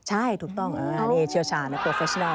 ใช่ถูกต้องนี่เชียวชานะโปรเฟสชาล